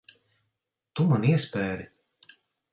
Tu man iespēri.